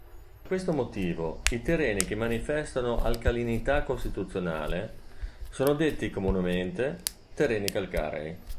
Per questo motivo i terreni che manifestano alcalinità costituzionale sono detti comunemente "terreni calcarei".